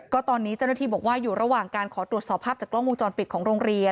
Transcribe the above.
ก็ตอนนี้เจ้าหน้าที่บอกว่าอยู่ระหว่างการขอตรวจสอบภาพจากกล้องวงจรปิดของโรงเรียน